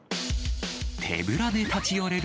手ぶらで立ち寄れる